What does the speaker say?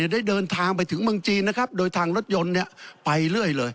ได้เดินทางไปถึงเมืองจีนนะครับโดยทางรถยนต์ไปเรื่อยเลย